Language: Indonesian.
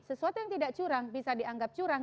sesuatu yang tidak curang bisa dianggap curang